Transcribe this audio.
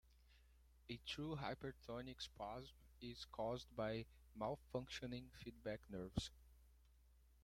A true hypertonic spasm is caused by malfunctioning feedback nerves.